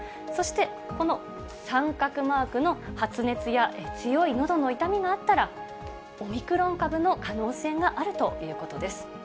そして、この三角マークの、発熱や強いのどの痛みがあったら、オミクロン株の可能性があるということです。